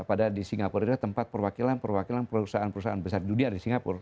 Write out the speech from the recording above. padahal di singapura adalah tempat perwakilan perwakilan perusahaan perusahaan besar dunia di singapura